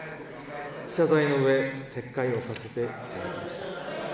謝罪のうえ、撤回をさせていただきました。